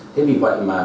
thế vì vậy mà